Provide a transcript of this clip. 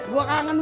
ruang ceruni ya ma